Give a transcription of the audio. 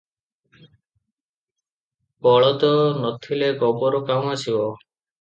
ବଳଦ ନ ଥିଲେ ଗୋବର କାହୁଁ ଆସିବ?